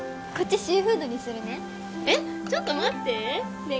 シーフードにするねえっちょっと待ってねえ